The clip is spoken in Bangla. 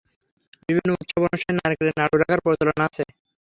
বিভিন্ন উৎসব-অনুষ্ঠানে নারকেলের নাড়ু রাখার প্রচলন আছে।